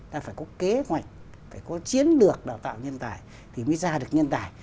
ta phải có kế hoạch phải có chiến lược đào tạo nhân tài thì mới ra được nhân tài